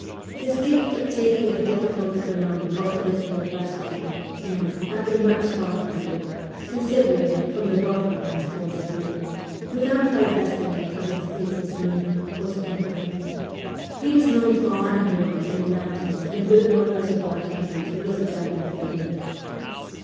His gift of taking a difficult economic or political question, and, after much thought about it, considering it from the working man's point of view, without 198 MEMOIRS OF A REVOLUTIONIST divesting it of its deepest meaning, was wonderful. He was known far and wide in the ' mountains,' and with the workers of all countries he was a general favourite.